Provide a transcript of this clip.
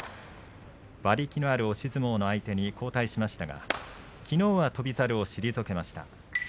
馬力のある押し相撲の相手に後退しましたがきのうは翔猿を退けました。